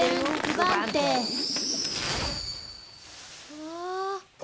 うわ！